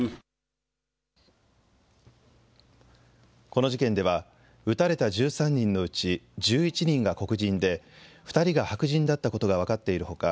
この事件では撃たれた１３人のうち１１人が黒人で２人が白人だったことが分かっているほか